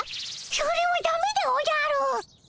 それはだめでおじゃる。